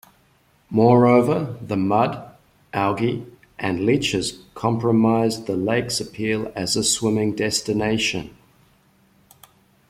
Moreover, the mud, algae, and leeches compromised the lake's appeal as a swimming destination.